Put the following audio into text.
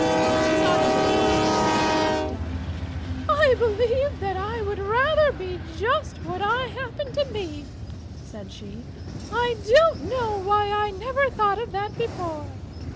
She thought a little while longer and laughed aloud. "I believe that I would really rather be just what I happen to be," said she. "I don't know why I never thought of that before."